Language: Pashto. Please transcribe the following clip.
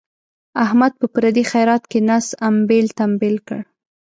احمد په پردي خیرات کې نس امبېل تمبیل کړ.